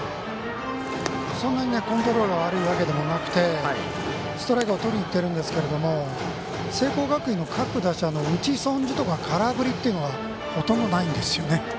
そんなにコントロールが悪いわけでもなくてストライクをとりにいってるんですけど聖光学院の各打者の打ち損じとか空振りっていうのがほとんどないんですよね。